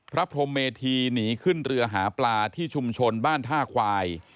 พระพรมเมธีหนีขึ้นเรือหาปลาที่ชุมชนบ้านท่าควาย